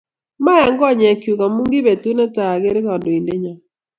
Mayan konyek chuk amu kibetut netai akere kandoindet nyo